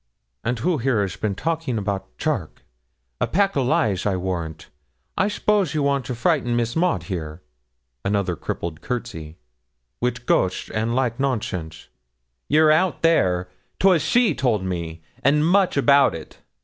'And who has been a talking about Charke a pack o lies, I warrant. I s'pose you want to frighten Miss Maud here' (another crippled courtesy) 'wi' ghosts and like nonsense.' 'You're out there: 'twas she told me; and much about it.